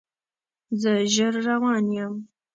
زه ژر روان یم